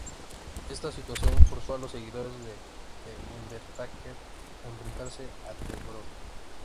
Esta situación forzó a los seguidores de The Undertaker a enfrentarse a The Brood.